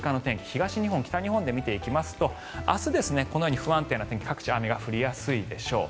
東日本、北日本で見ていきますと明日、このように不安定な天気各地、雨が降りやすいでしょう。